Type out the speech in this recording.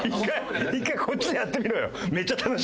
１回こっちでやってみろよ。